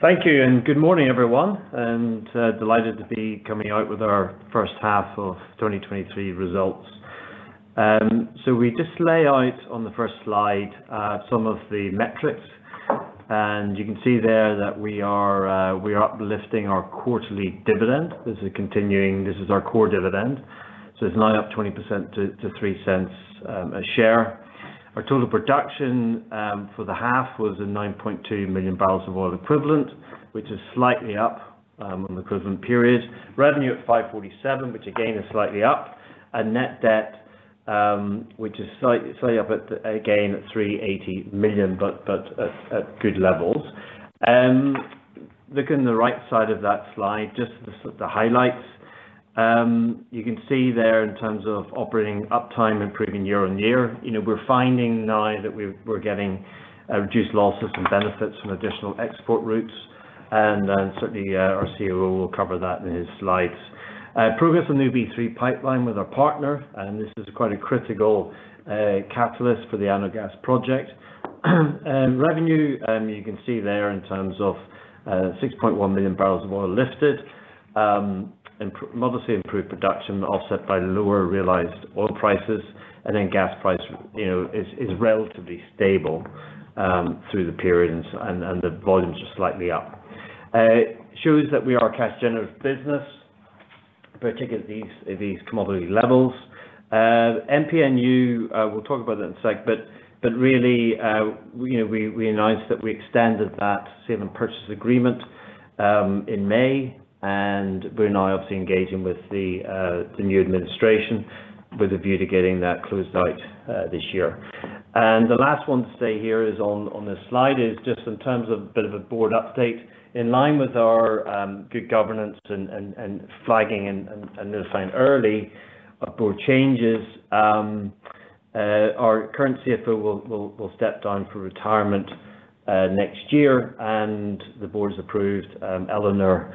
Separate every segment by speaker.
Speaker 1: Thank you, good morning, everyone, delighted to be coming out with our first half of 2023 results. We just lay out on the first slide, some of the metrics, and you can see there that we are uplifting our quarterly dividend. This is continuing-- This is our core dividend, so it's now up 20% to $0.03 a share. Our total production for the half was 9.2 million barrels of oil equivalent, which is slightly up on the equivalent period. Revenue at $547 million, which again, is slightly up, and net debt, which is slightly up at, again, at $380 million, but at good levels. Looking at the right side of that slide, just the highlights. You can see there in terms of operating uptime, improving year-on-year. You know, we're finding now that we're getting reduced losses and benefits from additional export routes and certainly, our COO will cover that in his slides. Progress on OB3 pipeline with our partner, and this is quite a critical catalyst for the ANOH Gas Project. Revenue, you can see there in terms of 6.1 million barrels of oil lifted. Modestly improved production offset by lower realized oil prices, and then gas price, you know, is relatively stable through the period and the volumes are slightly up. It shows that we are a cash generative business, particularly at these commodity levels. MPNU, we'll talk about that in a sec, but really, you know, we, we announced that we extended that Share Sale and Purchase Agreement in May, and we're now obviously engaging with the new administration with a view to getting that closed out this year. The last one to say here is on, on this slide, is just in terms of a bit of a board update. In line with our good governance and flagging and identifying early our board changes, our current CFO will step down for retirement next year, and the board has approved Eleanor,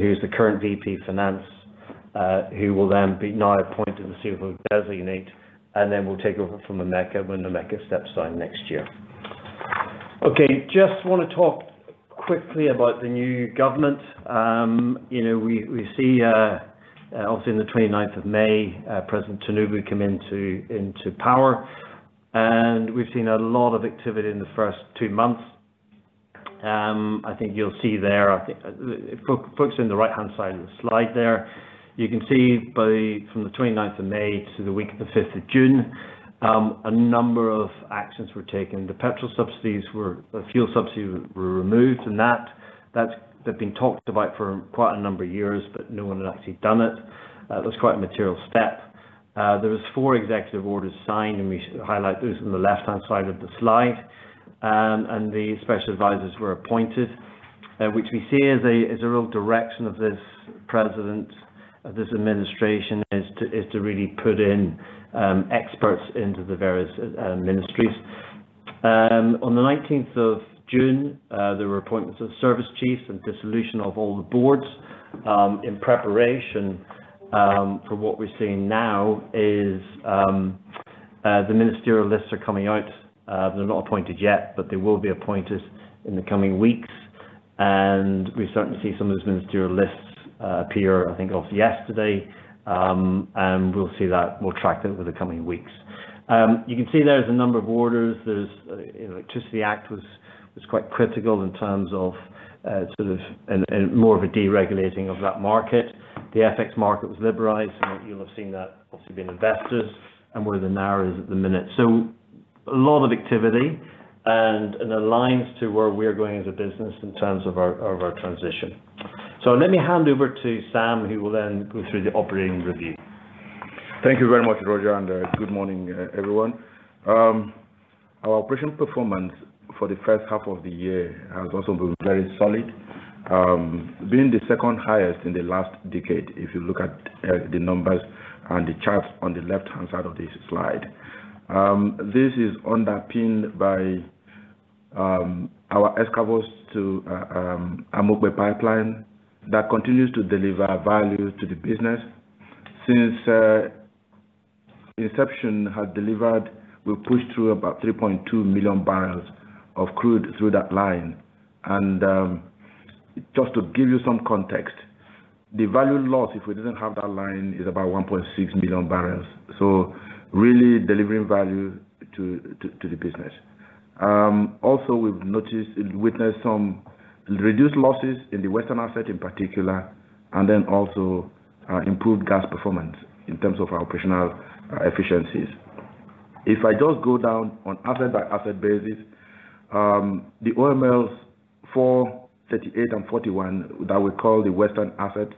Speaker 1: who's the current Vice President Finance, who will then be now appointed the CFO-Designate, and then will take over from Emeka when Emeka steps down next year. Okay, just wanna talk quickly about the new government. You know, we see, obviously on the 29th of May, President Tinubu come into power, We've seen a lot of activity in the first two months. I think you'll see there, I think, focused in the right-hand side of the slide there. You can see From the 29th of May to the week of the fifth of June, a number of actions were taken. The petrol subsidies were, the fuel subsidies were removed, That's been talked about for quite a number of years, but no one had actually done it. That was quite a material step. There was four Executive Orders signed, We should highlight those on the left-hand side of the slide. The Special Advisers were appointed, which we see as a real direction of this President, of this administration, is to really put in experts into the various ministries. On the 19th of June, there were appointments of Service Chiefs and dissolution of all the boards, in preparation for what we're seeing now is the ministerial lists are coming out. They're not appointed yet, but they will be appointed in the coming weeks, and we're starting to see some of those ministerial lists appear, I think, obviously yesterday, and we'll see that, we'll track that over the coming weeks. You can see there's a number of orders. There's, you know, Electricity Act was quite critical in terms of sort of a more of a deregulating of that market. The FX market was liberalized, and you'll have seen that obviously being investors and where the naira is at the minute. A lot of activity and, and aligns to where we're going as a business in terms of our, of our transition. Let me hand over to Sam, who will then go through the operating review.
Speaker 2: Thank you very much, Roger, and good morning, everyone. Our operation performance for the first half of the year has also been very solid, being the second highest in the last decade, if you look at the numbers and the charts on the left-hand side of this slide. This is underpinned by our Escravos to Omobe pipeline that continues to deliver value to the business. Since inception has delivered, we've pushed through about 3.2 million barrels of crude through that line. And, just to give you some context, the value lost if we didn't have that line is about 1.6 million barrels. So really delivering value to, to, to the business. Also, we've noticed and witnessed some reduced losses in the Western Asset in particular, also, improved gas performance in terms of our operational efficiencies. If I just go down on asset by asset basis, the OMLs 4, 38, and 41, that we call the Western Assets,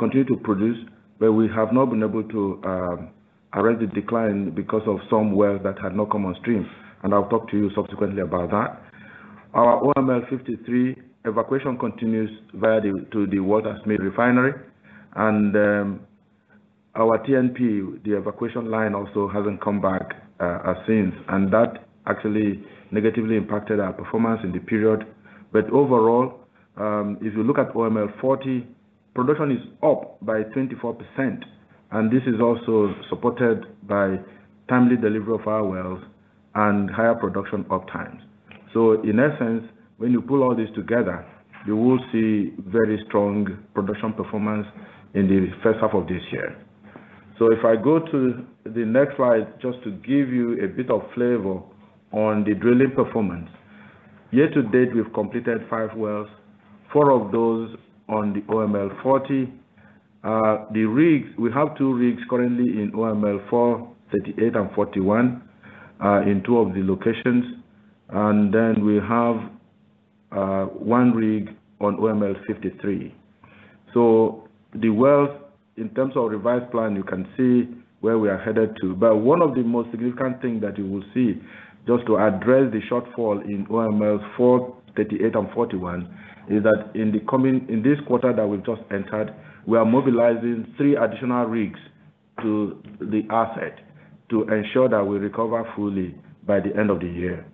Speaker 2: continue to produce. We have not been able to arrest the decline because of some wells that have not come on stream. I'll talk to you subsequently about that. Our OML 53 evacuation continues via the to the Waltersmith Refinery. Our TNP, the evacuation line also hasn't come back since. That actually negatively impacted our performance in the period. Overall, if you look at OML 40 production is up by 24%. This is also supported by timely delivery of our wells and higher production up times. In essence, when you pull all this together, you will see very strong production performance in the first half of this year. If I go to the next slide, just to give you a bit of flavor on the drilling performance. Year to date, we've completed five wells, four of those on the OML 40. The rigs, we have two rigs currently in OMLs 4, 38, and 41, in two of the locations, and then we have one rig on OML 53. The wells, in terms of revised plan, you can see where we are headed to. One of the most significant thing that you will see, just to address the shortfall in OML 4, 38, and 41, is that in this quarter that we've just entered, we are mobilizing three additional rigs to the asset to ensure that we recover fully by the end of 2023.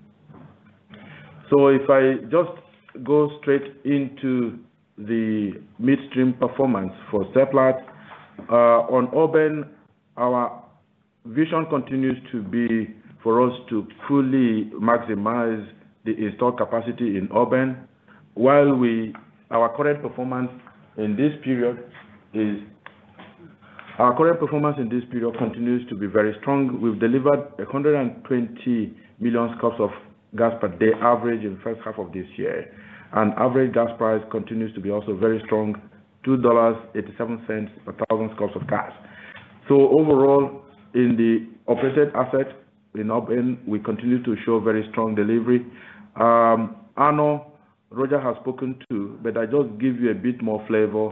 Speaker 2: If I just go straight into the midstream performance for Seplat. On Oben, our vision continues to be for us to fully maximize the installed capacity in Oben. Our current performance in this period continues to be very strong. We've delivered 120 MMscfd average in H1 2023, and average gas price continues to be also very strong, $2.87 per Mscf. Overall, in the operated asset in Oben, we continue to show very strong delivery. I know Roger has spoken too, but I just give you a bit more flavor.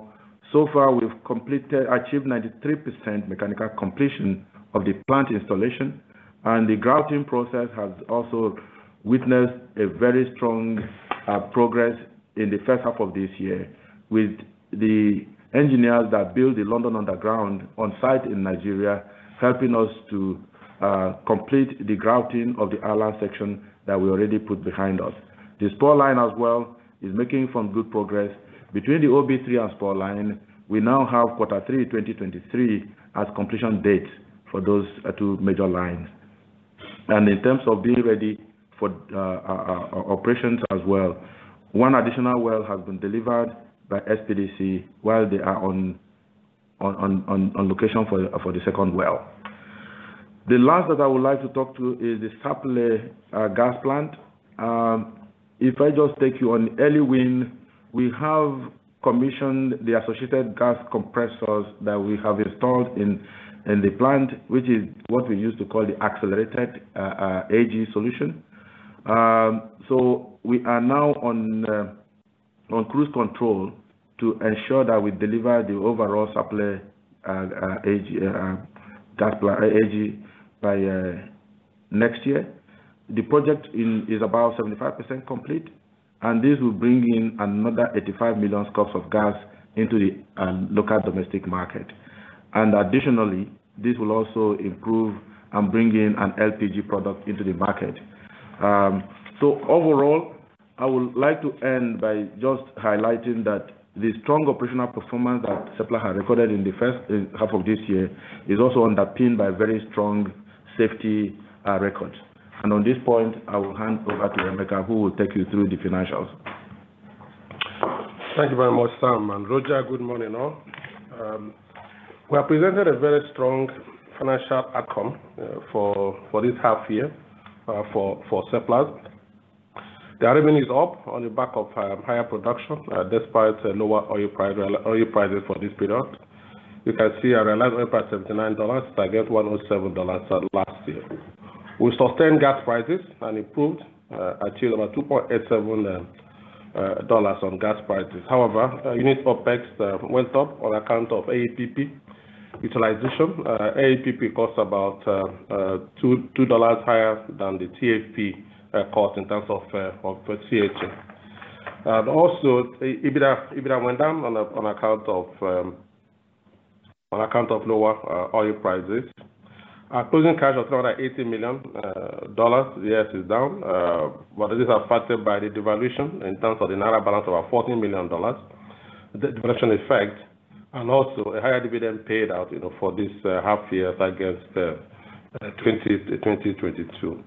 Speaker 2: So far, we've completed, achieved 93% mechanical completion of the plant installation, and the grouting process has also witnessed a very strong progress in the first half of this year, with the engineers that built the London Underground on site in Nigeria, helping us to complete the grouting of the island section that we already put behind us. The Spur Line as well is making some good progress. Between the OB3 and Spur Line, we now have Q3 2023 as completion date for those two major lines. In terms of being ready for operations as well, one additional well has been delivered by SPDC, while they are on location for the second well. The last that I would like to talk to is the Sapele Gas Plant. If I just take you on early win, we have commissioned the associated gas compressors that we have installed in the plant, which is what we used to call the Accelerated AG solution. So we are now on cruise control to ensure that we deliver the overall supply AG gas AG by next year. The project is about 75% complete, and this will bring in another 85 MMscfd of gas into the local domestic market. Additionally, this will also improve and bring in an LPG product into the market. Overall, I would like to end by just highlighting that the strong operational performance that Seplat has recorded in the first half of this year is also underpinned by a very strong safety record. On this point, I will hand over to Emeka, who will take you through the financials.
Speaker 3: Thank you very much, Sam and Roger. Good morning, all. We have presented a very strong financial outcome for this half year for Seplat. The revenue is up on the back of higher production despite lower oil prices for this period. You can see our revenue per $79, target $107 last year. We sustained gas prices and improved, achieved about $2.87 on gas prices. However, unit OpEx went up on account of AEP utilization. AEP costs about $2 higher than the TFP cost in terms of CHF. Also, EBITDA went down on account of lower oil prices. Our closing cash of around $80 million, yes, is down, but this is affected by the devaluation in terms of the Naira balance of our $14 million, the devaluation effect, and also a higher dividend paid out, you know, for this half year against 2022.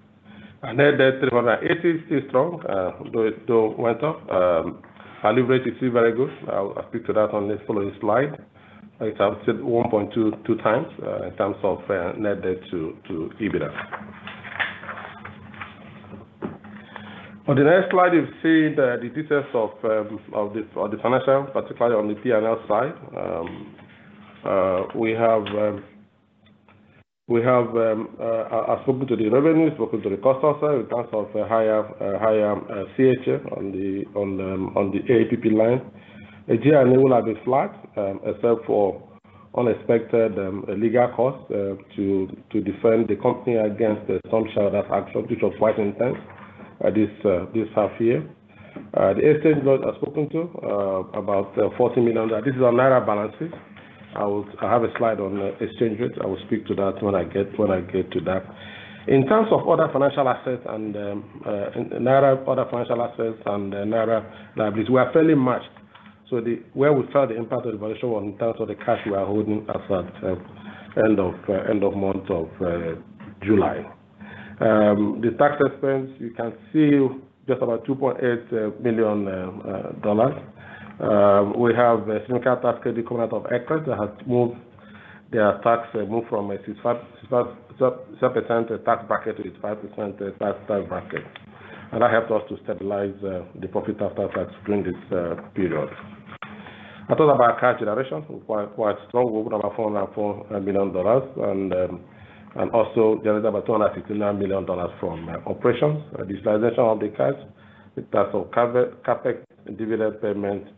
Speaker 3: Net Debt to EBITDA is strong, though it went up, our leverage is still very good. I'll speak to that on the following slide. It's up to 1.22x in terms of Net Debt to EBITDA. On the next slide, you'll see the details of the financial, particularly on the P&L side. We have, we have spoken to the revenues, spoken to the cost side in terms of higher, higher CHF on the, on the, on the AEP line. G&A will have been flat, except for unexpected legal costs to defend the company against some shareholder action, which was quite intense this half year. The estate loss I've spoken to, about $14 million, this is our Naira balances. I will, I have a slide on the exchange rate. I will speak to that when I get, when I get to that. In terms of other financial assets and, and Naira, other financial assets and the Naira liabilities, we are fairly matched. The, where we felt the impact of the valuation in terms of the cash we are holding as at, end of month of July. The tax expense, you can see just about $2.8 million. We have a significant tax credit in form of ACRES that has moved the tax, moved from a 65%-66% tax bracket to a 5% tax bracket. That helped us to stabilize the profit after tax during this period. I thought about our cash generation, quite, quite strong. We brought about $4.4 million and also generated about $259 million from operations. Realization of the cash in terms of capex and dividend payments.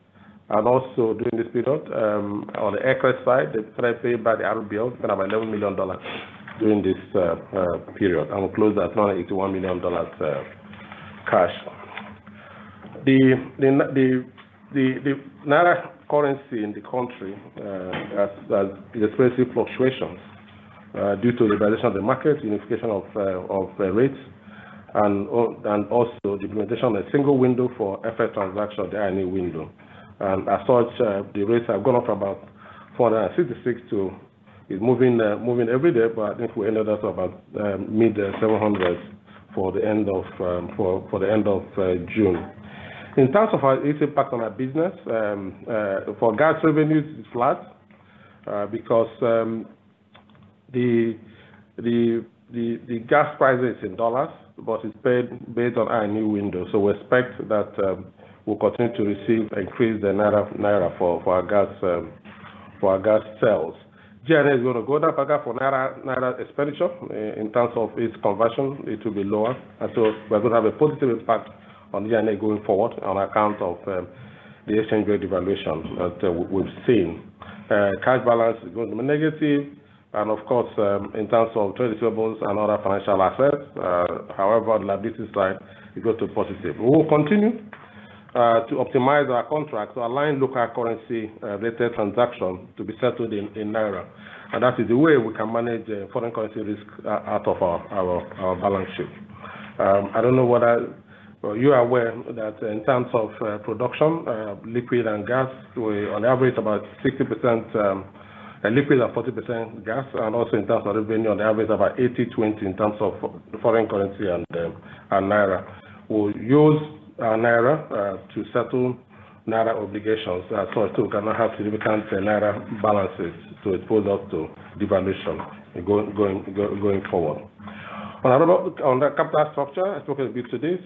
Speaker 3: Also during this period, on the Elcrest side, the principal by the RBL is about $11 million during this period, and we close that at $9.1 million cash. The Naira currency in the country has experienced fluctuations due to the devaluation of the market, unification of the rates, and also the implementation of a single window for FX transaction of the I&E window. As such, the rates have gone up from about 466 to it's moving every day, but I think we ended at about mid-700 for the end of June. In terms of how it impact on our business, for gas revenues, it's flat, because the gas price is in dollars, but it's paid based on our new window. We expect that we'll continue to receive increased naira for our gas sales. GNA is going to go down further for naira expenditure. In terms of its conversion, it will be lower, we're going to have a positive impact on GNA going forward on account of the exchange rate devaluation that we've seen. Cash balance is going to be negative, and of course, in terms of traditables and other financial assets, however, the liabilities side, it go to positive. We will continue to optimize our contracts to align local currency related transaction to be settled in naira. That is the way we can manage foreign currency risk out of our balance sheet. I don't know whether you are aware that in terms of production, liquid and gas, we on average, about 60% liquid and 40% gas. Also in terms of revenue, on average, about 80/20 in terms of foreign currency and naira. We use naira to settle naira obligations so as to not have significant naira balances to expose us to devaluation going forward. On our note on the capital structure, I spoke a bit to this.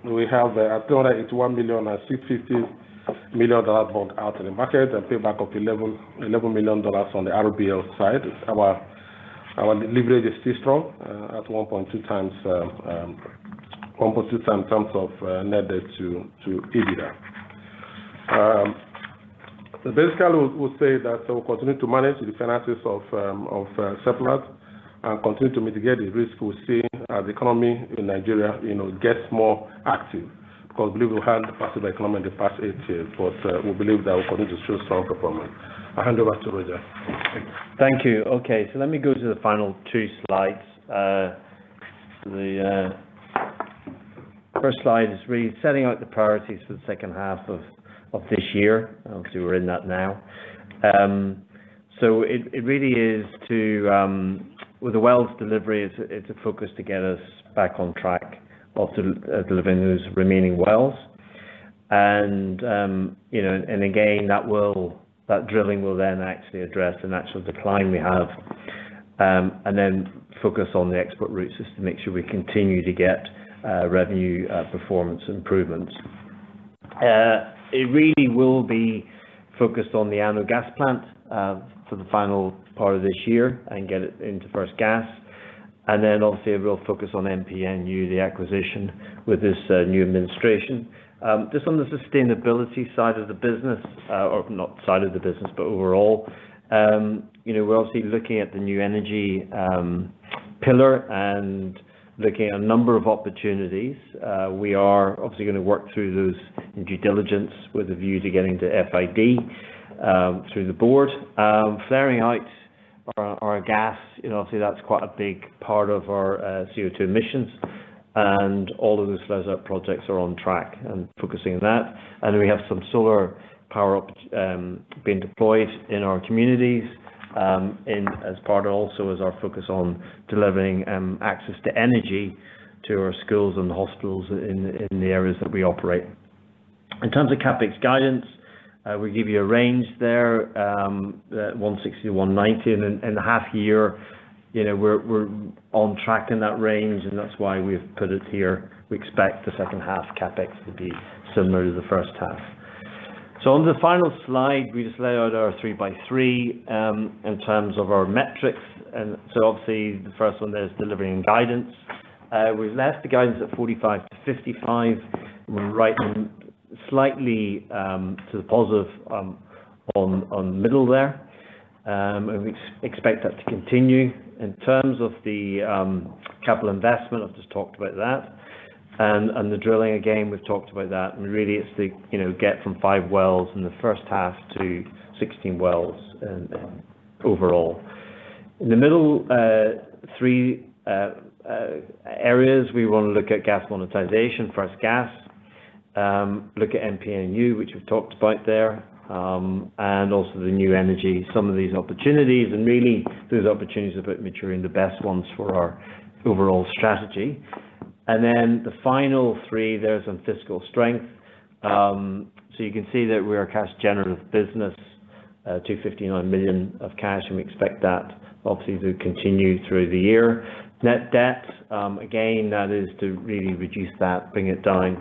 Speaker 3: We have $281 million and $650 million borrowed out in the market and payback of $11 million on the RBL side. Our leverage is still strong, at 1.2x composites in terms of net debt to EBITDA. Basically, we'll say that we'll continue to manage the finances of Seplat and continue to mitigate the risk we're seeing as the economy in Nigeria, you know, gets more active. We believe we had a passive economy in the past eight years, but we believe that we're going to show strong performance. I hand over to Roger.
Speaker 1: Thank you. Let me go to the final two slides. The first slide is really setting out the priorities for the second half of this year. Obviously, we're in that now. It really is to, with the wells delivery, it's a focus to get us back on track of delivering those remaining wells. You know, and again, that drilling will then actually address the natural decline we have. Then focus on the export routes just to make sure we continue to get revenue performance improvements. It really will be focused on the ANOH Gas Plant for the final part of this year and get it into first gas. Then obviously a real focus on MPNU, the acquisition with this new administration. Just on the sustainability side of the business, or not side of the business, but overall, you know, we're obviously looking at the new energy pillar and looking at a number of opportunities. We are obviously gonna work through those in due diligence with a view to getting to FID through the board. Flaring out our, our gas, you know, obviously that's quite a big part of our CO2 emissions, and all of those flare up projects are on track and focusing on that. Then we have some solar power being deployed in our communities, and as part also as our focus on delivering access to energy to our schools and hospitals in, in the areas that we operate. In terms of CapEx guidance, we give you a range there, $160 million-$190 million, and in, in half year, you know, we're, we're on track in that range, and that's why we've put it here. We expect the second half CapEx to be similar to the first half. On the final slide, we just lay out our three by three, in terms of our metrics. Obviously the first one there is delivering guidance. We've left the guidance at 45-55. We're right on, slightly, to the positive, on, on middle there. We expect that to continue. In terms of the capital investment, I've just talked about that. The drilling, again, we've talked about that, and really it's the, you know, get from five wells in the first half to 16 wells overall. In the middle, three areas, we wanna look at gas monetization, first gas. Look at MPNU, which we've talked about there, and also the new energy, some of these opportunities, and really those opportunities about maturing the best ones for our overall strategy. The final three, there's some fiscal strength. You can see that we are a cash generative business, $2,059 million of cash, and we expect that obviously to continue through the year. Net debt, again, that is to really reduce that, bring it down.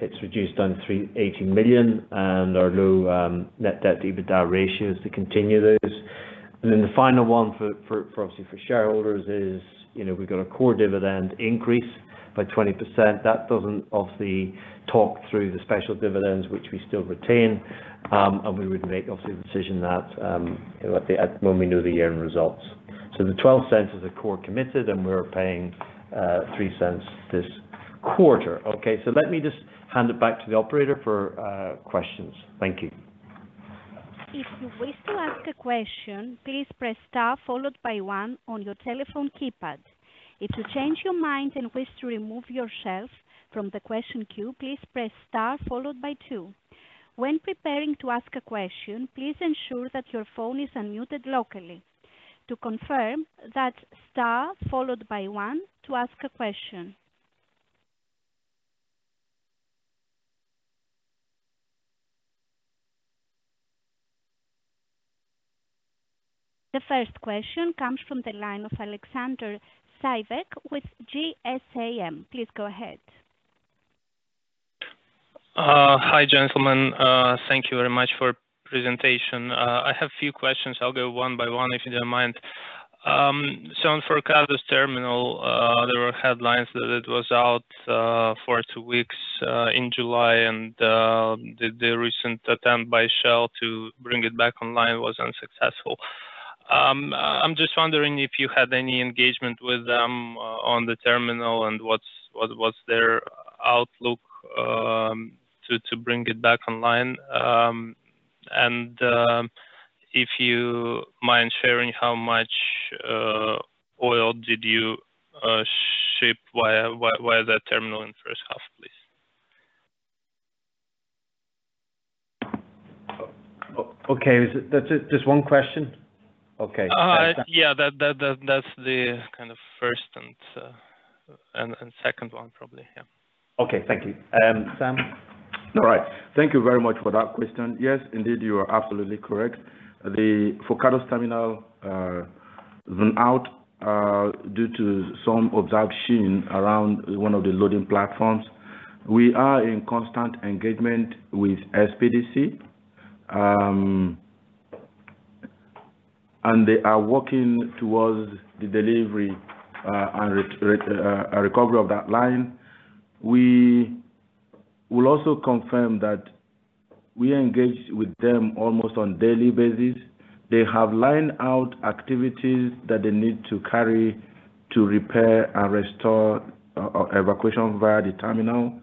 Speaker 1: It's reduced down $318 million, and our low net debt to EBITDA ratio is to continue those. The final one for obviously for shareholders is, you know, we've got a core dividend increase by 20%. That doesn't obviously talk through the special dividends which we still retain, and we would make obviously the decision that when we know the year-end results. The $0.12 is a core committed, and we're paying $0.03 this quarter. Let me just hand it back to the operator for questions. Thank you.
Speaker 4: If you wish to ask a question, please press star followed by one on your telephone keypad. If you change your mind and wish to remove yourself from the question queue, please press star followed by two. When preparing to ask a question, please ensure that your phone is unmuted locally. To confirm that, star followed by one to ask a question. The first question comes from the line of Alexander Cyvek with GSAM. Please go ahead.
Speaker 5: Hi, gentlemen. Thank you very much for presentation. I have a few questions. I'll go one by one, if you don't mind. So for Forcados Terminal, there were headlines that it was out for two weeks in July, and the recent attempt by Shell to bring it back online was unsuccessful. I'm just wondering if you had any engagement with them on the terminal, and what's their outlook to bring it back online? And if you mind sharing how much oil did you ship via the terminal in first half, please?
Speaker 1: Okay, That's it, just one question? Okay.
Speaker 5: Yeah, that's the kind of first and, and, and second one, probably. Yeah.
Speaker 1: Okay. Thank you. Sam?
Speaker 2: All right. Thank you very much for that question. Yes, indeed, you are absolutely correct. The Forcados Terminal went out due to some obstruction around one of the loading platforms. We are in constant engagement with SPDC, and they are working towards the delivery and re, re, a recovery of that line. We will also confirm that we are engaged with them almost on daily basis. They have lined out activities that they need to carry to repair and restore evacuation via the terminal.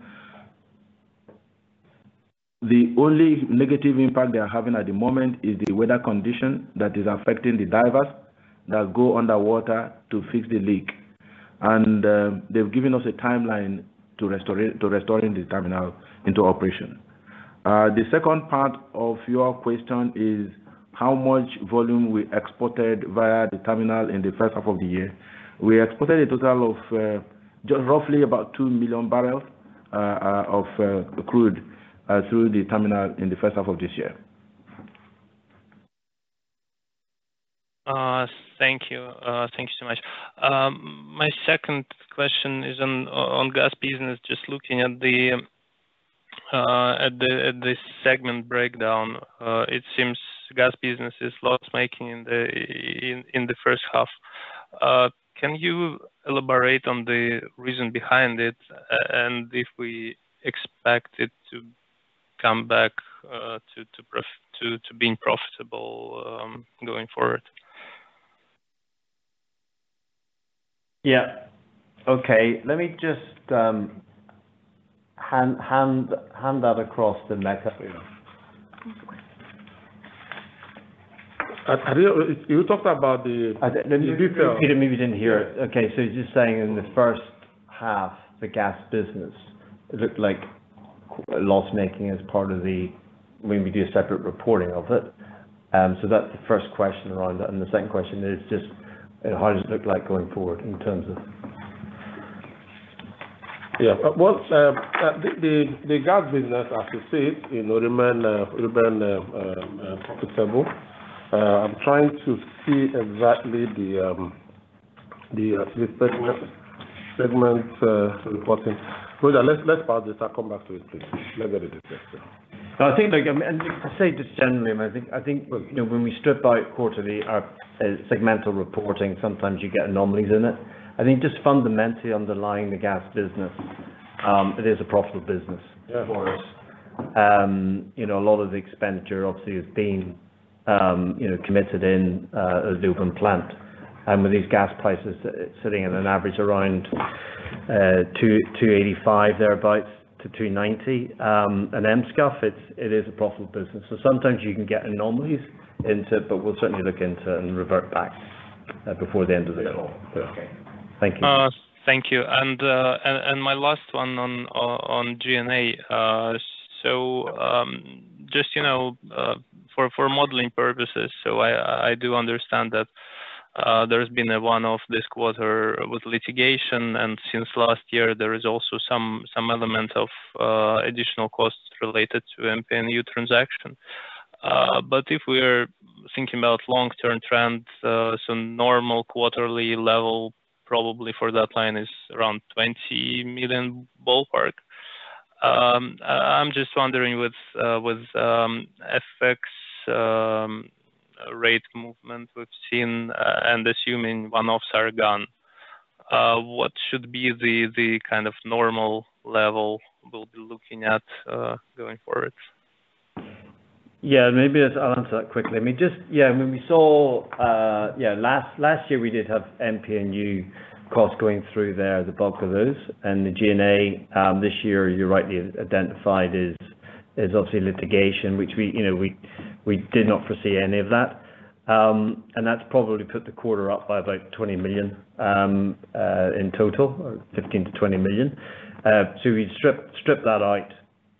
Speaker 2: The only negative impact they are having at the moment is the weather condition that is affecting the divers that go underwater to fix the leak. They've given us a timeline to restore, to restoring the terminal into operation. The second part of your question is how much volume we exported via the terminal in the first half of the year. We exported a total of just roughly about 2 million barrels of crude through the terminal in the first half of this year.
Speaker 5: Thank you. Thank you so much. My second question is on, on gas business. Just looking at the, at the, at the segment breakdown, it seems gas business is loss-making in the first half. Can you elaborate on the reason behind it, and if we expect it to come back, to being profitable, going forward?
Speaker 1: Yeah. Okay, let me just hand that across the Emeka.
Speaker 3: have you talked about the-
Speaker 1: Let me repeat it, maybe you didn't hear it. He's just saying in the first half, the gas business looked like loss-making as part of the... When we do a separate reporting of it. That's the first question around that. The second question is just, how does it look like going forward in terms of-
Speaker 3: Yeah, once the gas business, as you said, you know, remain, remain profitable. I'm trying to see exactly the segment, segment reporting. Well, let's, let's pause this. I'll come back to it, please. Let me get it first.
Speaker 1: I think, like, and to say just generally, and I think, I think, you know, when we strip out quarterly our segmental reporting, sometimes you get anomalies in it. I think just fundamentally underlying the gas business, it is a profitable business you know, a lot of the expenditure obviously has been, you know, committed in, the Oben plant. With these gas prices sitting at an average around, $2.85, thereabout, to $2.90, and Mscf, it's a profitable business. Sometimes you can get anomalies into it, but we'll certainly look into and revert back, before the end of the year.
Speaker 5: Okay.
Speaker 1: Thank you.
Speaker 5: Thank you. My last one on, on GNA. Just, you know, for, for modeling purposes. I, I do understand that, there's been a one-off this quarter with litigation, and since last year there is also some, some element of, additional costs related to MPNU transaction. If we're thinking about long-term trends, so normal quarterly level probably for that line is around $20 million ballpark. I, I'm just wondering with, with, FX, rate movement we've seen, and assuming one-offs are gone, what should be the, the kind of normal level we'll be looking at, going forward?
Speaker 1: Yeah, maybe I'll answer that quickly. I mean, just, yeah, when we saw, yeah, last, last year, we did have MPNU costs going through there, the bulk of those. The GNA, this year, you rightly identified is, is obviously litigation, which we, you know, we, we did not foresee any of that. That's probably put the quarter up by about $20 million, in total, or $15 million-$20 million. We strip, strip that out,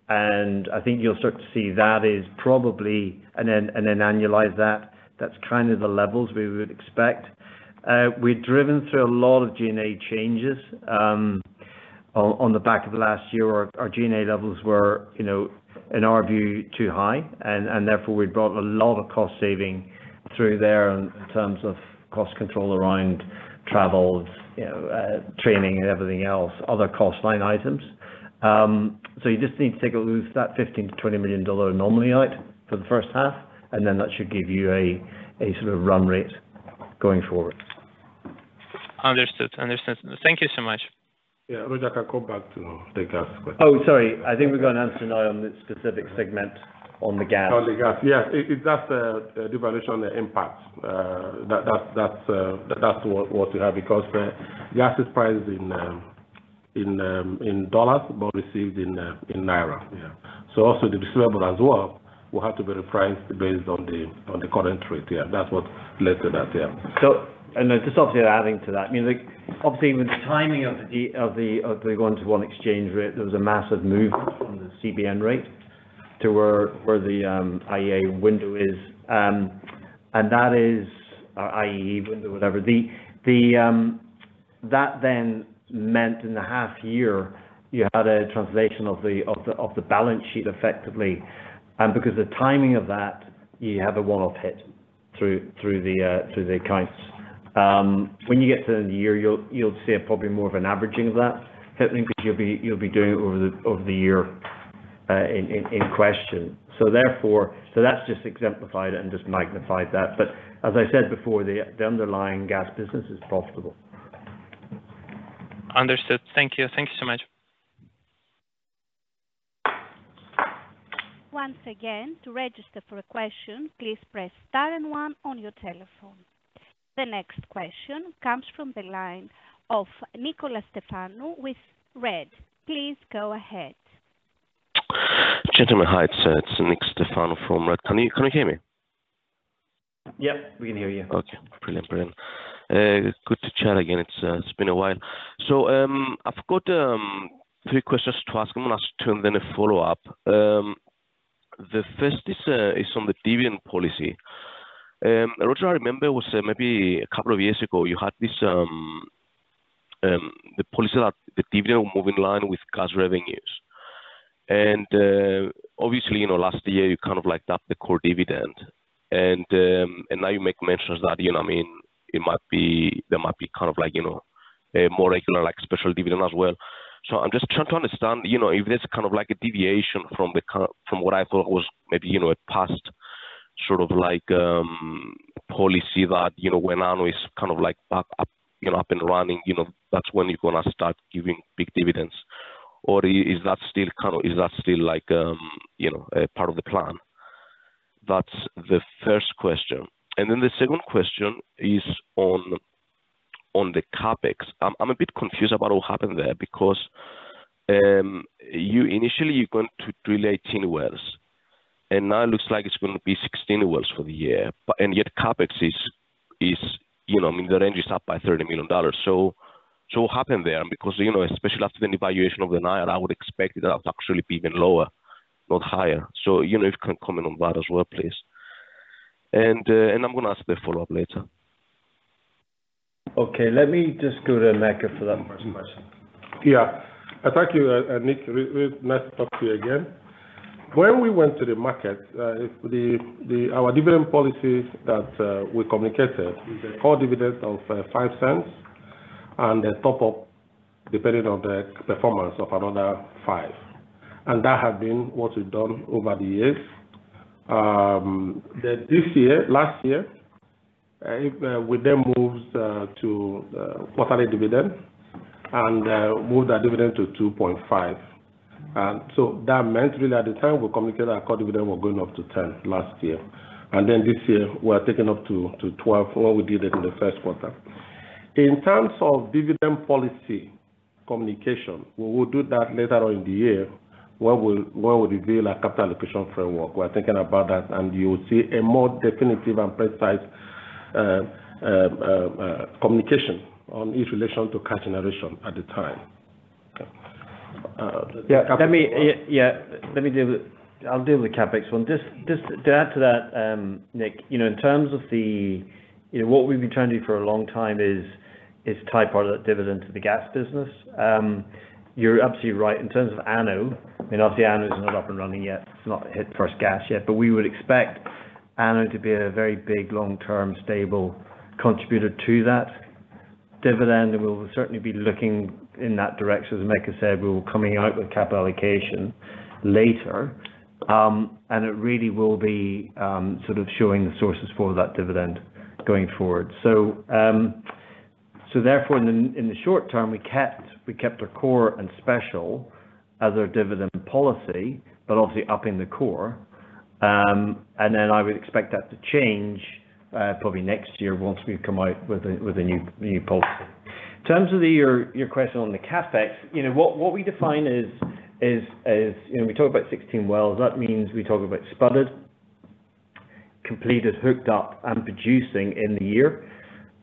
Speaker 1: and I think you'll start to see that is probably, and then, and then annualize that, that's kind of the levels we would expect. We've driven through a lot of GNA changes. On, on the back of last year, our, our GNA levels were, you know, in our view, too high, and therefore, we brought a lot of cost saving through there in terms of cost control around travel, you know, training and everything else, other cost line items. You just need to take a look at that $15 million-$20 million anomaly out for the first half, and then that should give you a, a sort of run rate going forward.
Speaker 5: Understood. Understood. Thank you so much.
Speaker 3: Yeah, Roger, I'll come back to the gas question.
Speaker 1: Oh, sorry. I think we're going to answer now on the specific segment on the gas.
Speaker 3: On the gas, yeah. It, it's just the, the valuation, the impact. That, that, that's, that's what, what we have, because the gas is priced in, in dollars, but received in, in naira. Yeah. Also the receivable as well, will have to be repriced based on the, on the current rate. Yeah, that's what led to that. Yeah.
Speaker 1: And then just obviously adding to that, I mean, like, obviously with the timing of the one-to-one exchange rate, there was a massive movement from the CBN rate to where, where the I&E window is. That is, I&E window, whatever. The, that then meant in the half year, you had a translation of the balance sheet effectively. Because the timing of that, you have a one-off hit through, through the through the accounts. When you get to the end of the year, you'll, you'll see probably more of an averaging of that hitting, because you'll be, you'll be doing it over the, over the year, in, in, in question. Therefore, that's just exemplified and just magnified that. As I said before, the underlying gas business is profitable.
Speaker 5: Understood. Thank you. Thank you so much.
Speaker 4: Once again, to register for a question, please press star one on your telephone. The next question comes from the line of Nicholas Stefano with Red. Please go ahead.
Speaker 6: Gentlemen, hi, it's Nick Stefano from Red. Can you hear me?
Speaker 1: Yeah, we can hear you.
Speaker 6: Okay. Brilliant, brilliant. Good to chat again. It's, it's been a while. I've got three questions to ask. I'm gonna ask two and then a follow-up. The first is on the dividend policy. Roger, I remember was maybe a couple of years ago, you had this the policy that the dividend will move in line with gas revenues. Obviously, you know, last year you kind of like halved the core dividend, now you make mentions that, you know what I mean, there might be kind of like, you know, a more regular, like, special dividend as well. I'm just trying to understand, you know, if there's kind of like a deviation from the current-- from what I thought was maybe, you know, a past sort of like, policy that, you know, when ANOH is kind of like back up, you know, up and running, you know, that's when you're gonna start giving big dividends. Is that still kind of, is that still like, you know, a part of the plan? That's the first question. The second question is on, on the CapEx. I'm, I'm a bit confused about what happened there, because, you initially you're going to drill 18 wells, and now it looks like it's gonna be 16 wells for the year, but and yet CapEx is, is, you know, I mean, the range is up by $30 million. What happened there? You know, especially after the devaluation of the Naira, I would expect it to actually be even lower, not higher. You know, if you can comment on that as well, please. I'm gonna ask the follow-up later.
Speaker 1: Okay, let me just go to Emeka for that first question.
Speaker 3: Yeah. Thank you, Nick. Really nice to talk to you again. When we went to the market, the, our dividend policies that we communicated is a core dividend of $0.05 and a top up, depending on the performance of another $0.05. That has been what we've done over the years. Then this year, last year, we then moved to quarterly dividend. Move that dividend to $0.025. So that meant really at the time we communicated our core dividend were going up to $0.10 last year, and then this year we are taking up to $0.12, what we did it in the 1st quarter. In terms of dividend policy communication, we will do that later on in the year, where we'll, where we'll reveal our capital allocation framework. We're thinking about that. You will see a more definitive and precise, communication on its relation to cash generation at the time. Okay. Yeah.
Speaker 1: Let me, yeah, yeah. Let me deal with, I'll deal with the capex one. Just, just to add to that, Nick, you know, in terms of the, you know, what we've been trying to do for a long time is, is tie part of that dividend to the gas business. You're absolutely right. In terms of ANOH, I mean, obviously ANOH is not up and running yet. It's not hit first gas yet, but we would expect ANOH to be a very big, long-term, stable contributor to that dividend. We'll certainly be looking in that direction. As Emeka said, we're coming out with capital allocation later, and it really will be sort of showing the sources for that dividend going forward. Therefore, in the, in the short term, we kept, we kept our core and special as our dividend policy, but obviously upping the core. And then I would expect that to change, probably next year once we've come out with a, with a new, new policy. In terms of the-- your, your question on the CapEx, you know, what, what we define is, is, is, you know, we talk about 16 wells, that means we talk about spudded, completed, hooked up, and producing in the year,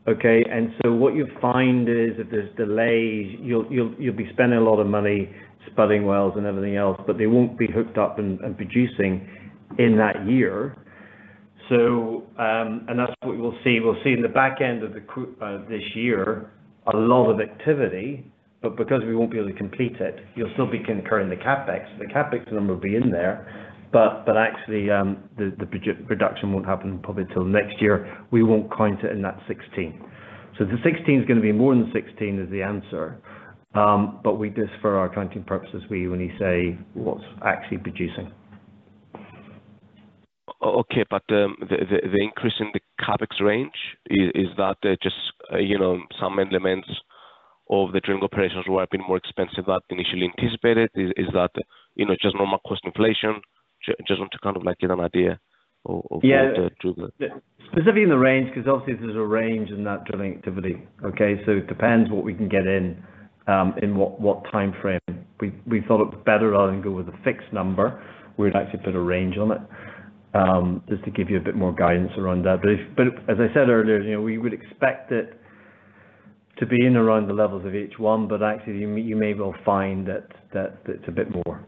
Speaker 1: okay? What you find is, if there's delays, you'll, you'll, you'll be spending a lot of money spudding wells and everything else, but they won't be hooked up and, and producing in that year. And that's what we'll see. We'll see in the back end of the qu this year, a lot of activity, but because we won't be able to complete it, you'll still be incurring the CapEx. The CapEx number will be in there, actually, the production won't happen probably till next year. We won't count it in that 16. The 16 is gonna be more than 16, is the answer. We just for our accounting purposes, we only say what's actually producing.
Speaker 6: The increase in the CapEx range, is that, just, you know, some elements of the drilling operations were a bit more expensive than initially anticipated? Is that, you know, just normal cost inflation? Just want to kind of, like, get an idea of the drilling.
Speaker 1: Specifically in the range, 'cause obviously there's a range in that drilling activity, okay? It depends what we can get in, in what, what time frame. We, we thought it better rather than go with a fixed number, we'd actually put a range on it, just to give you a bit more guidance around that. If, as I said earlier, you know, we would expect it to be in around the levels of H1, but actually, you may well find that, that it's a bit more,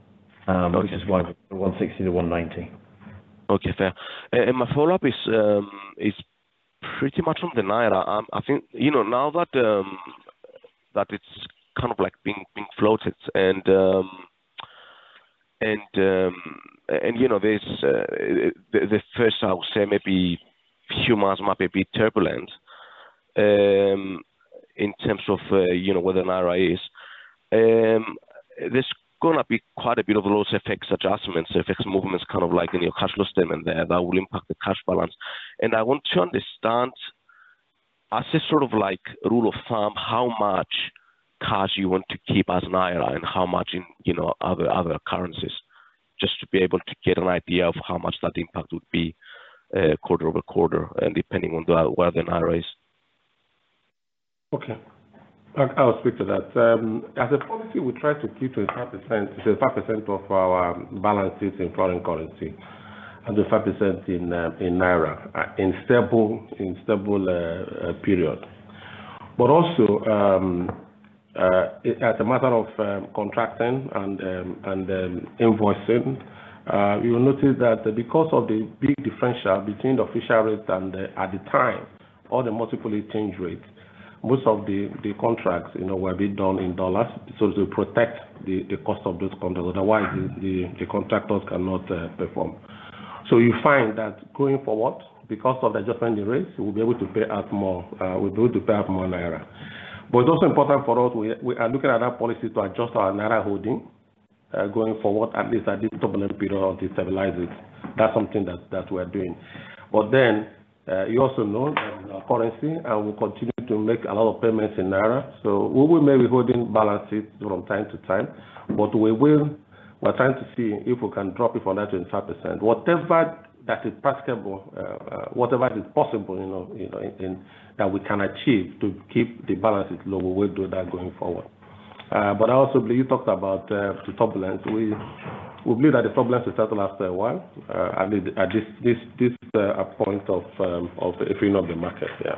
Speaker 1: which is why 160-190.
Speaker 6: Okay, fair. My follow-up is pretty much on the naira. I think, you know, now that it's kind of like being, being floated and, you know, there's the first I would say maybe humans might be turbulent in terms of, you know, where the naira is. There's gonna be quite a bit of loss effects, adjustments, effects, movements, kind of like in your cash flow statement there that will impact the cash balance. I want to understand as a sort of like rule of thumb, how much cash you want to keep as naira and how much in, you know, other, other currencies, just to be able to get an idea of how much that impact would be quarter-over-quarter and depending on the, where the naira is.
Speaker 3: As a policy, we try to keep 25%, so 5% of our balance is in foreign currency and 5% in naira, in stable, in stable period. But also, as a matter of contracting and invoicing, you will notice that because of the big differential between the official rate and at the time, or the multiple exchange rate, most of the contracts, you know, were being done in dollars, so to protect the cost of those contracts. Otherwise, the contractors cannot perform. You find that going forward, because of the adjustment rates, we'll be able to pay out more, we do pay out more naira. It's also important for us, we, we are looking at our policy to adjust our Naira holding going forward, at least at this turbulent period or destabilize it. That's something that, that we are doing. You also know that in our currency, and we continue to make a lot of payments in Naira, so we will may be holding balances from time to time, but we will. We're trying to see if we can drop it from that 25%. Whatever that is possible, whatever is possible, you know, you know, that we can achieve to keep the balances low, we will do that going forward. You talked about the turbulence. We, we believe that the turbulence will settle after a while, at least at this, point of, of, if you know, the market. Yeah.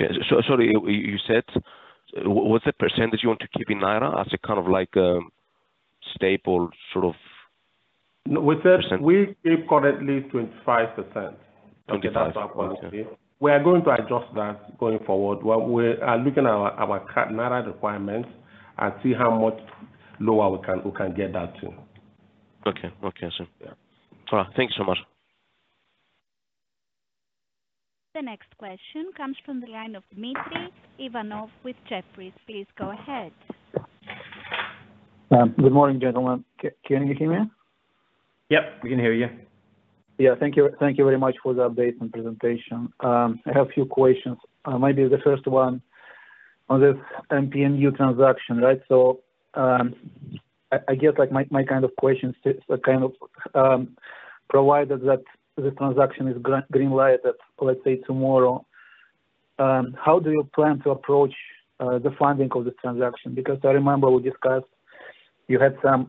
Speaker 6: Yeah. So you, you said, what's the percentage you want to keep in naira as a kind of like, stable sort of?
Speaker 3: No, we said-
Speaker 6: Percent.
Speaker 3: we keep currently 25%.
Speaker 6: Okay, 25%, okay.
Speaker 3: We are going to adjust that going forward. We, we are looking at our, our current naira requirements and see how much lower we can, we can get that to.
Speaker 6: Okay, sir. Yeah. All right, thank you so much.
Speaker 4: The next question comes from the line of Dmitry Ivanov with Jefferies. Please go ahead.
Speaker 7: Good morning, gentlemen. Can you hear me?
Speaker 1: Yep, we can hear you.
Speaker 7: Yeah, thank you. Thank you very much for the update and presentation. I have a few questions. Maybe the first one on this MPNU transaction, right? I guess, like, my kind of question is what kind of, provided that the transaction is green lighted, let's say tomorrow, how do you plan to approach the funding of the transaction? Because I remember we discussed you had some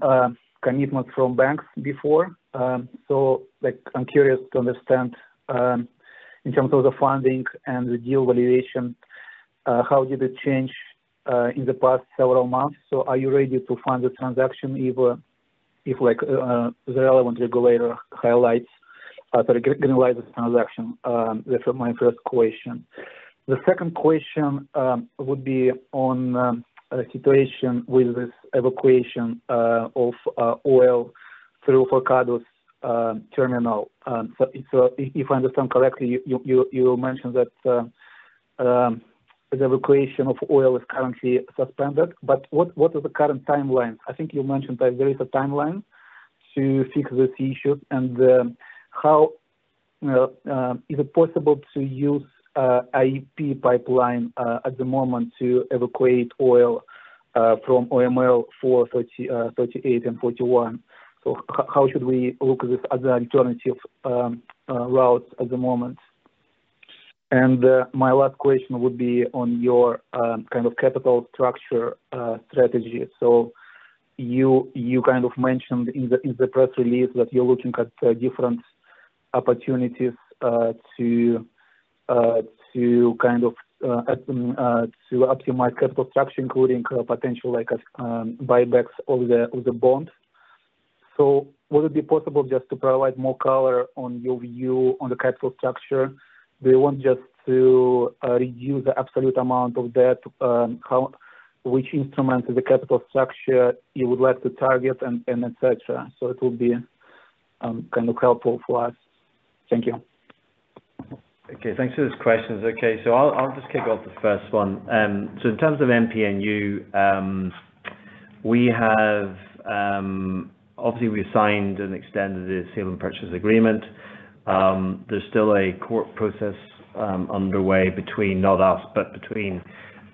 Speaker 7: commitment from banks before. Like, I'm curious to understand, in terms of the funding and the deal valuation, how did it change in the past several months? Are you ready to fund the transaction, even if, like, the relevant regulator highlights the green light transaction? That's my first question. The second question would be on the situation with this evacuation of oil through Forcados terminal. If, I understand correctly, you, you, you mentioned that the evacuation of oil is currently suspended, but what, what is the current timeline? I think you mentioned that there is a timeline to fix this issue, how is it possible to use AEP pipeline at the moment to evacuate oil from OML 430, 38 and 41? How should we look at this as an alternative route at the moment? My last question would be on your kind of capital structure strategy. You, you kind of mentioned in the, in the press release that you're looking at different opportunities to kind of to optimize capital structure, including potential, like, buybacks of the, of the bond. Would it be possible just to provide more color on your view on the capital structure? Do you want just to reduce the absolute amount of debt, how... Which instrument of the capital structure you would like to target and, and et cetera? It will be kind of helpful for us. Thank you.
Speaker 1: Okay, thanks for those questions. Okay, I'll, I'll just kick off the first one. In terms of MPNU, obviously, we signed an extended Share Sale and Purchase Agreement. There's still a court process underway between, not us, but between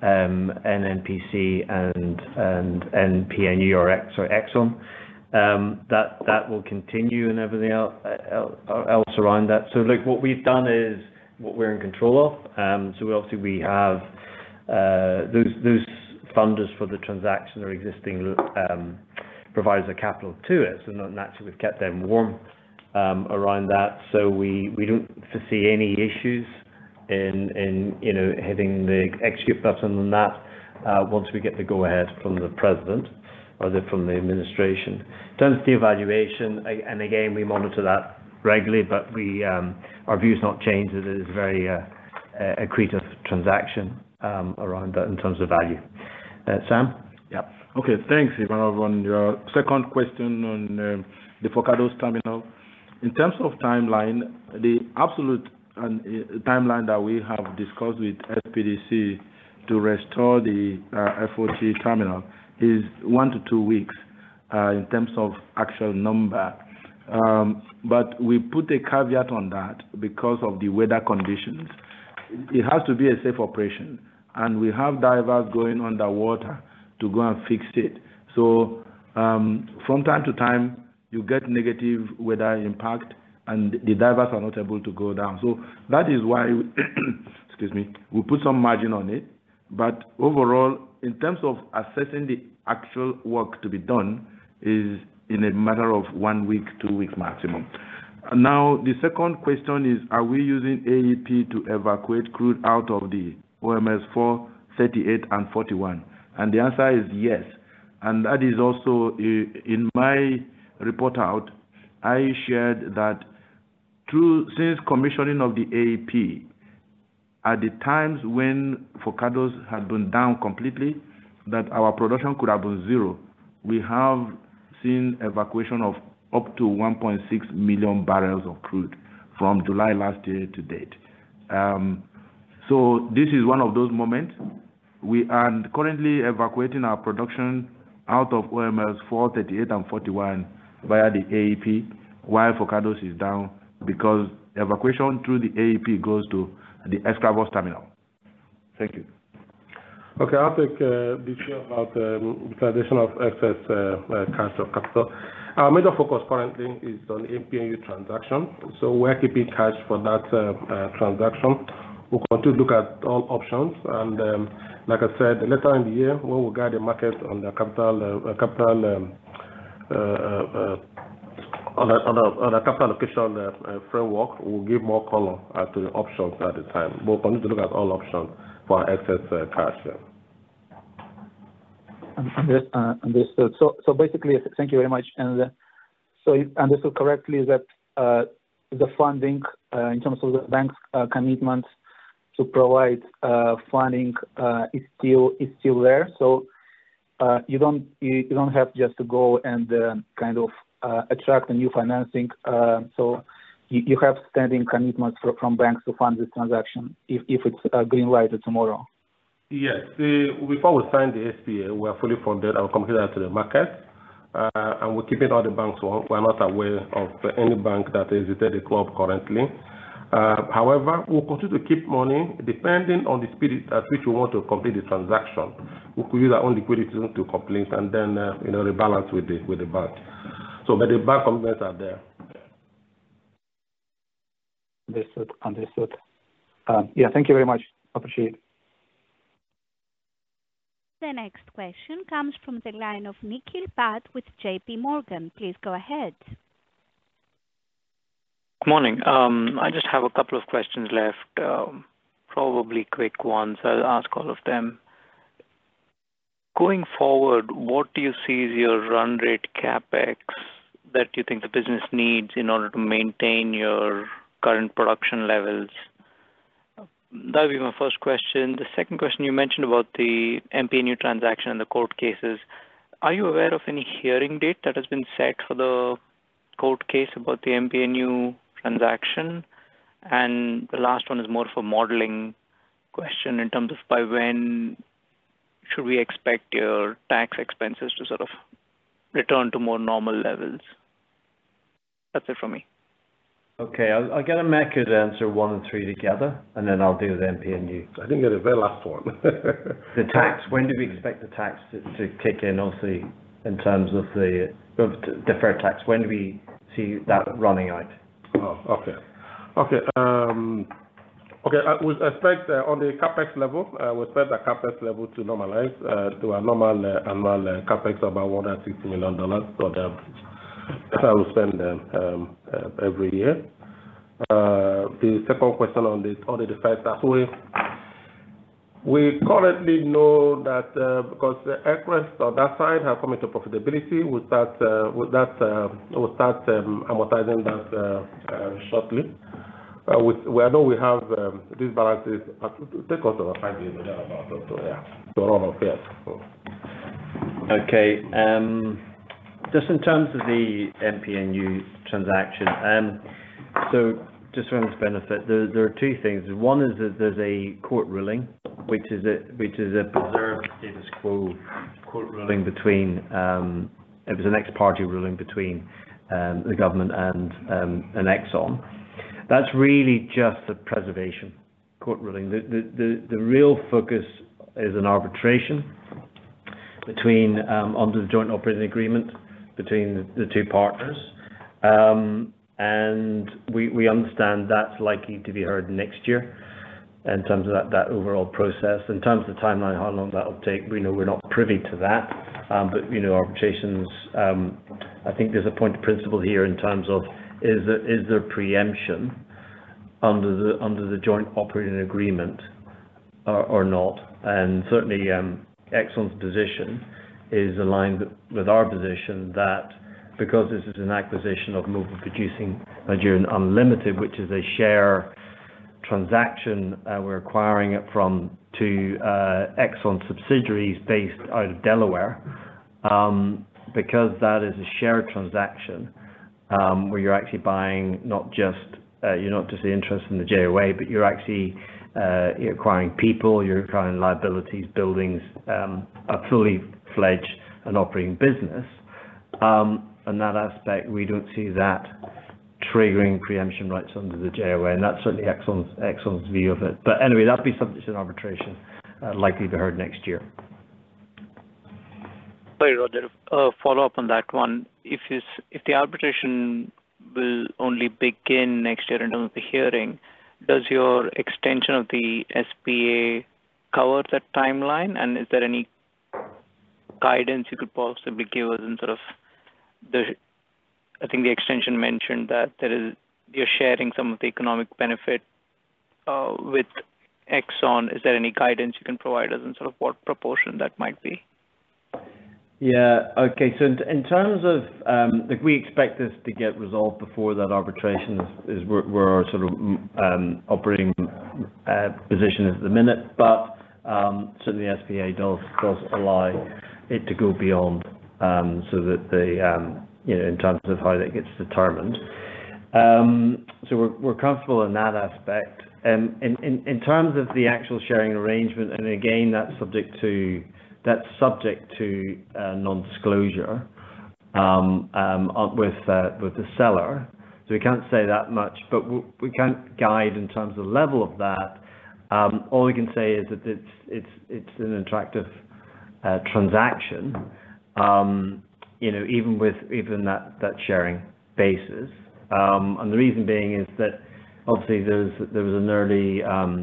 Speaker 1: NNPC and MPNU or Exxon. That will continue, and everything else around that. Look, what we've done is what we're in control of. Obviously, we have those funders for the transaction or existing providers of capital to us, and naturally, we've kept them warm around that. We don't foresee any issues in, you know, hitting the execute button on that, once we get the go-ahead from the President or from the administration. In terms of the evaluation, and again, we monitor that regularly, but we, our view has not changed. It is very, accretive transaction, around that in terms of value. Sam?
Speaker 2: Yep. Okay, thanks, Ivan. On your second question on the Forcados terminal. In terms of timeline, the absolute timeline that we have discussed with SPDC to restore the Forcados terminal is 1-2 weeks in terms of actual number. We put a caveat on that because of the weather conditions. It has to be a safe operation, and we have divers going underwater to go and fix it. From time to time, you get negative weather impact, and the divers are not able to go down. That is why, excuse me, we put some margin on it. Overall, in terms of assessing the actual work to be done, is in a matter of 1 week, 2 weeks maximum. The second question is, are we using AEP to evacuate crude out of the OMLs 4, 38, and 41? The answer is yes. That is also in my report out, I shared that through... Since commissioning of the AEP, at the times when Forcados had been down completely, that our production could have been zero. We have seen evacuation of up to 1.6 million barrels of crude from July last year to date. This is one of those moments. We are currently evacuating our production out of OMLs 4, 38, and 41 via the AEP, while Forcados is down, because evacuation through the AEP goes to the Escravos terminal. Thank you. Okay, I'll take the share about transition of excess capital, capital. Our major focus currently is on MPNU transaction, so we're keeping cash for that transaction. We'll continue to look at all options, and, like I said, later in the year, when we guide the market on the capital, capital, on a capital allocation framework, we'll give more color as to the options at the time. We'll continue to look at all options for our excess cash there.
Speaker 7: Under understood. So basically, thank you very much. So if I understood correctly, that the funding in terms of the bank commitment to provide funding is still, is still there. You don't, you, you don't have just to go and kind of attract a new financing. You, you have standing commitments from, from banks to fund this transaction if, if it's green lighted tomorrow?
Speaker 3: Yes, the, before we signed the SPA, we are fully funded and we committed that to the market, and we're keeping all the banks on. We're not aware of any bank that has entered the club currently. However, we'll continue to keep money depending on the speed at which we want to complete the transaction. We could use our own liquidity to, to complete and then, you know, rebalance with the, with the bank. The bank commitments are there.
Speaker 7: Understood. Understood. Yeah, thank you very much. Appreciate it.
Speaker 4: The next question comes from the line of Nikhil Pat with JPMorgan. Please go ahead.
Speaker 8: Morning. I just have two questions left, probably quick ones, I'll ask all of them. Going forward, what do you see is your run rate CapEx that you think the business needs in order to maintain your current production levels? That would be my first question. The second question you mentioned about the MPNU transaction and the court cases. Are you aware of any hearing date that has been set for the court case about the MPNU transaction? The last one is more of a modeling question in terms of by when should we expect your tax expenses to sort of return to more normal levels? That's it for me.
Speaker 1: Okay, I'll, I'll get Emeka to answer one and three together, and then I'll deal with MPNU.
Speaker 3: I think the very last one.
Speaker 1: The tax. When do we expect the tax to kick in, obviously, in terms of the, of the fair tax? When do we see that running out?
Speaker 3: Oh, okay. Okay, okay, I would expect on the capex level, we expect the capex level to normalize to a normal annual capex of about $160 million. That, I will spend every year. The second question on the, on the defense, actually, we currently know that because the Aquarius on that side have come into profitability, we start with that, we'll start amortizing that shortly. I know we have these balances take us to a $100 million amount, so, yeah, so we're all okay, so.
Speaker 1: Okay, just in terms of the MPNU transaction, just for everyone's benefit, there, there are two things. One is that there's a court ruling, which is a, which is a preserved status quo court ruling between, it was the next party ruling between, the government and, and Exxon. That's really just a preservation court ruling. The, the, the, the real focus is an arbitration between, under the joint operating agreement between the two partners. We, we understand that's likely to be heard next year in terms of that, that overall process. In terms of the timeline, how long that will take, we know we're not privy to that. You know, arbitrations, I think there's a point of principle here in terms of is there, is there preemption under the, under the joint operating agreement or, or not? Certainly, Exxon's position is aligned with our position that because this is an acquisition of Mobil Producing Nigeria Unlimited, which is a share transaction, we're acquiring it from to Exxon subsidiaries based out of Delaware. Because that is a share transaction, where you're actually buying not just, you're not just the interest in the JOA, but you're actually, you're acquiring people, you're acquiring liabilities, buildings, a fully-fledged and operating business. That aspect, we don't see that triggering preemption rights under the JOA, and that's certainly Exxon's, Exxon's view of it. Anyway, that'd be subject to an arbitration, likely to be heard next year.
Speaker 8: Sorry, Roger, a follow-up on that one. If this, if the arbitration will only begin next year in terms of the hearing, does your extension of the SPA cover that timeline? Is there any guidance you could possibly give us in sort of the, I think the extension mentioned that there is, you're sharing some of the economic benefit with Exxon. Is there any guidance you can provide us in sort of what proportion that might be?
Speaker 1: Yeah. Okay. In terms of, like, we expect this to get resolved before that arbitration is where, where our sort of operating position is at the minute. Certainly the SPA does allow it to go beyond, so that the, you know, in terms of how that gets determined. We're comfortable in that aspect. In terms of the actual sharing arrangement, that's subject to, that's subject to non-disclosure on with the seller. We can't say that much, but we can't guide in terms of the level of that. All we can say is that it's an attractive transaction, you know, even with, even that, that sharing basis. The reason being is that obviously there was, there was an early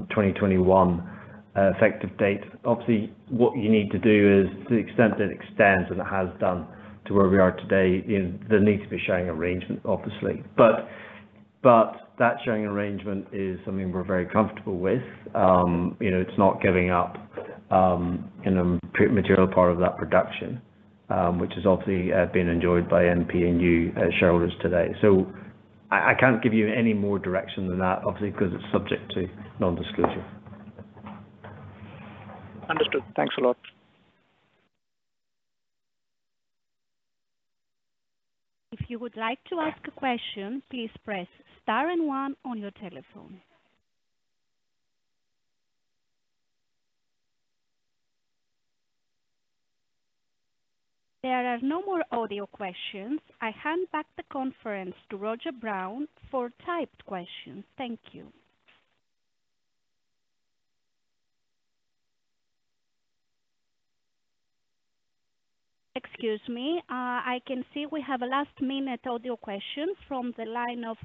Speaker 1: 2021 effective date. Obviously, what you need to do is to the extent that it extends, and it has done to where we are today, is there needs to be sharing arrangement, obviously. That sharing arrangement is something we're very comfortable with. you know, it's not giving up in a material part of that production, which is obviously being enjoyed by Mobil Producing Nigeria Unlimited shareholders today. I, I can't give you any more direction than that, obviously, because it's subject to non-disclosure.
Speaker 8: Understood. Thanks a lot.
Speaker 4: If you would like to ask a question, please press star and one on your telephone. There are no more audio questions. I hand back the conference to Roger Brown for typed questions. Thank you. Excuse me, I can see we have a last-minute audio question from the line of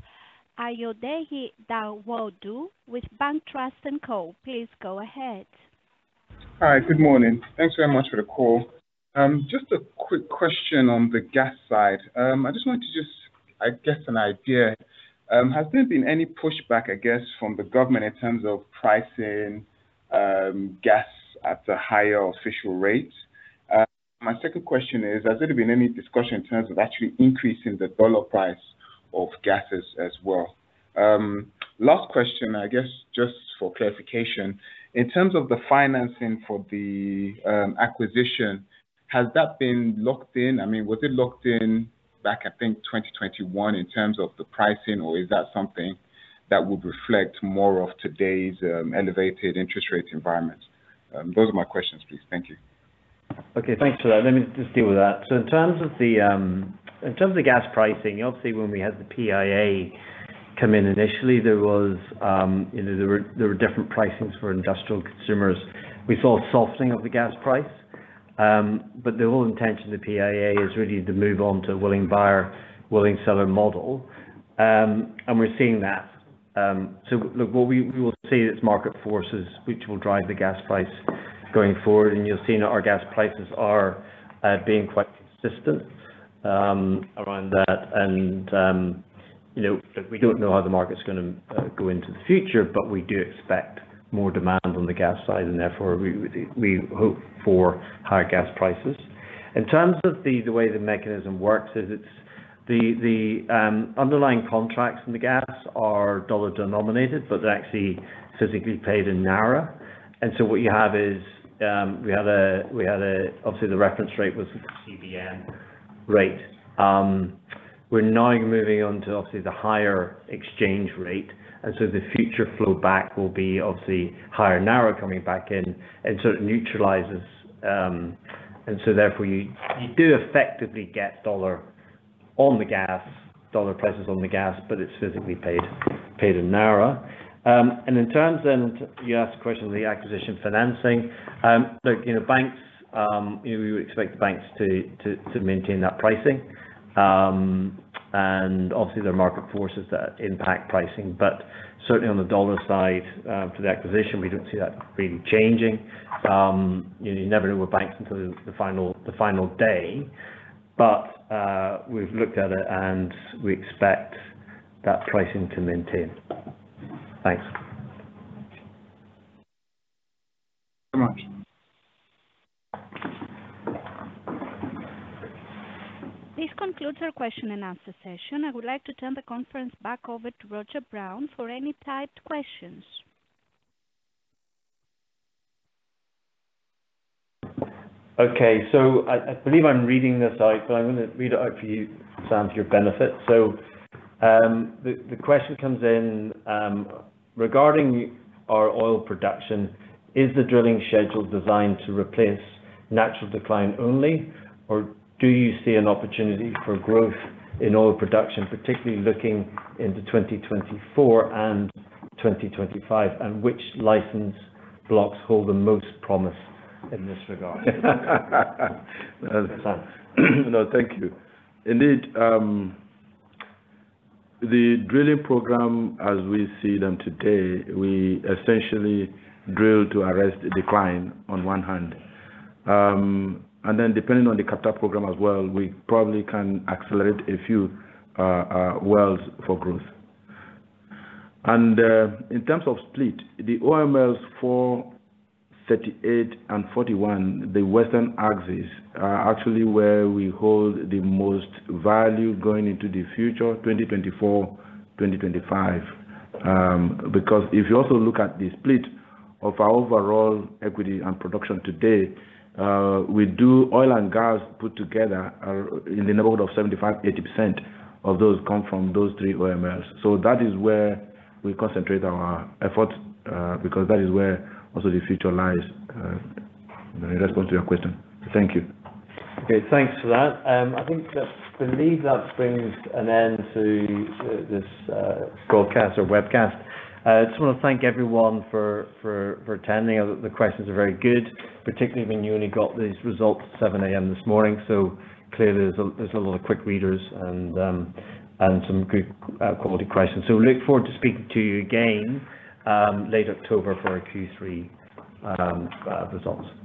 Speaker 4: Ayodeji Dawodu with BancTrust & Co. Please go ahead.
Speaker 9: Hi, good morning. Thanks very much for the call. Just a quick question on the gas side. I just wanted to just, I guess, an idea. Has there been any pushback, I guess, from the government in terms of pricing, gas at a higher official rate? My second question is, has there been any discussion in terms of actually increasing the dollar price of gases as well? Last question, I guess, just for clarification. In terms of the financing for the acquisition, has that been locked in? I mean, was it locked in back, I think, 2021 in terms of the pricing, or is that something that would reflect more of today's elevated interest rate environment? Those are my questions, please. Thank you.
Speaker 1: Okay, thanks for that. Let me just deal with that. In terms of the, in terms of the gas pricing, obviously, when we had the PIA come in initially, there was, you know, there were, there were different pricings for industrial consumers. We saw a softening of the gas price, but the whole intention of the PIA is really to move on to willing buyer, willing seller model. We're seeing that. Look, what we, we will see is market forces, which will drive the gas price going forward, and you'll see that our gas prices are being quite consistent around that. You know, we don't know how the market's gonna go into the future, but we do expect more demand on the gas side, and therefore, we, we, we hope for higher gas prices. In terms of the, the way the mechanism works is it's the, the underlying contracts in the gas are dollar-denominated, but they're actually physically paid in naira. What you have is, obviously, the reference rate was CBN rate. We're now moving on to obviously the higher exchange rate, and so the future flowback will be obviously higher naira coming back in, and so it neutralizes. Therefore, you, you do effectively get dollar on the gas, dollar prices on the gas, but it's physically paid, paid in naira. In terms then, you asked a question on the acquisition financing. Look, you know, banks, you know, we would expect the banks to maintain that pricing. Obviously, there are market forces that impact pricing, but certainly on the dollar side, for the acquisition, we don't see that really changing. You know, you never know with banks until the, the final, the final day, but we've looked at it, and we expect that pricing to maintain. Thanks.
Speaker 9: Very much.
Speaker 4: This concludes our question and answer session. I would like to turn the conference back over to Roger Brown for any typed questions.
Speaker 1: Okay. I, I believe I'm reading this out, but I'm gonna read it out for you, Sam, for your benefit. The question comes in regarding our oil production, is the drilling schedule designed to replace natural decline only, or do you see an opportunity for growth in oil production, particularly looking into 2024 and 2025? Which license blocks hold the most promise in this regard?
Speaker 2: No, thank you. Indeed, the drilling program, as we see them today, we essentially drill to arrest the decline on one hand. Then, depending on the capital program as well, we probably can accelerate a few wells for growth. In terms of split, the OMLs for 38 and 41, the western axis, are actually where we hold the most value going into the future, 2024, 2025. Because if you also look at the split of our overall equity and production today, we do oil and gas put together are in the neighborhood of 75%-80% of those come from those three OMLs. That is where we concentrate our effort, because that is where also the future lies. In response to your question. Thank you.
Speaker 1: Okay, thanks for that. I think that, believe that brings an end to this broadcast or webcast. I just wanna thank everyone for, for, for attending. The questions are very good, particularly when you only got these results at 7:00 A.M. this morning. Clearly, there's, there's a lot of quick readers and some good quality questions. We look forward to speaking to you again late October for our Q3 results. Thank you.